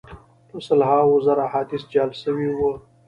په سل هاوو زره احادیث جعل سوي وه.